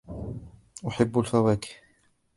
أحب الفواكه.